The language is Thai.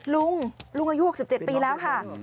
ลุงลุงอายุ๖๗ปีแล้วค่ะ